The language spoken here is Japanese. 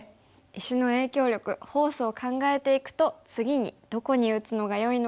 石の影響力フォースを考えていくと次にどこに打つのがよいのか見えてきますね。